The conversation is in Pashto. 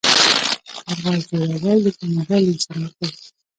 کاغذ جوړول د کاناډا لوی صنعت دی.